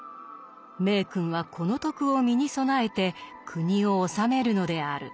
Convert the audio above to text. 明君はこの徳を身に備えて国を治めるのである。